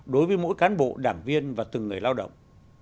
đối với mỗi cán bộ đảng viên và từng người lao động